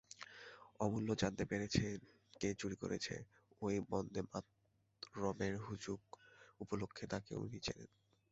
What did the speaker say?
অমূল্য জানতে পেরেছেন কে চুরি করেছে, এই বন্দেমাতরমের হুজুক উপলক্ষে তাকে উনি চেনেন।